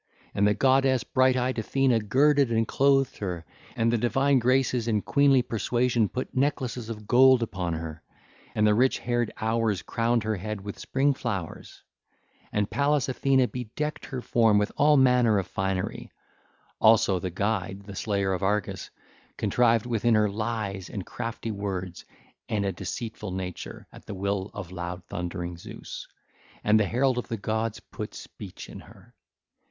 And the goddess bright eyed Athene girded and clothed her, and the divine Graces and queenly Persuasion put necklaces of gold upon her, and the rich haired Hours crowned her head with spring flowers. And Pallas Athene bedecked her form with all manners of finery. Also the Guide, the Slayer of Argus, contrived within her lies and crafty words and a deceitful nature at the will of loud thundering Zeus, and the Herald of the gods put speech in her.